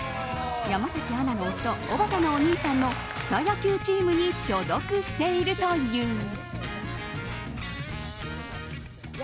山崎アナの夫おばたのお兄さんの草野球チームに所属しているという。